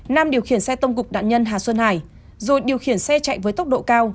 nam điều khiển xe tông cục nạn nhân hà xuân hải rồi điều khiển xe chạy với tốc độ cao